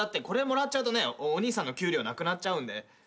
これもらっちゃうとねお兄さんの給料なくなっちゃうんで。